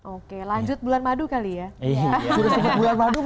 oke lanjut bulan madu kali ya